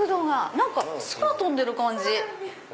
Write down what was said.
空飛んでる感じ。